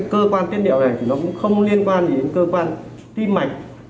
cái ống liệu cái cơ quan tiết liệu này thì nó cũng không liên quan gì đến cơ quan tim mạch